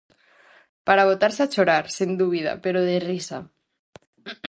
Para botarse a chorar, sen dúbida, pero de risa.